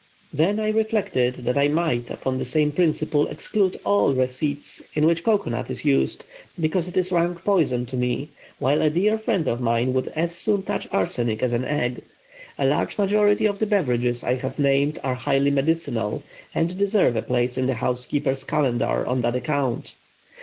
Then I reflected that I might, upon the same principle, exclude all receipts in which cocoanut is used, because it is rank poison to me; while a dear friend of mine would as soon touch arsenic as an egg. A large majority of the beverages I have named are highly medicinal, and deserve a place in the housekeeper's calendar on that account.